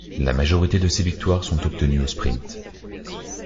La majorité de ces victoires sont obtenues au sprint.